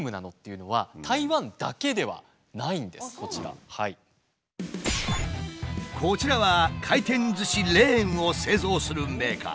実はですねこちらは回転ずしレーンを製造するメーカー。